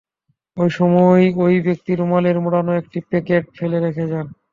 এ সময় ওই ব্যক্তি রুমালে মোড়ানো একটি প্যাকেট ফেলে রেখে যান।